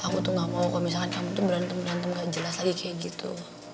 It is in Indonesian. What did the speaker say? aku tuh gak mau kalau misalkan kamu tuh berantem berantem gak jelas lagi kayak gitu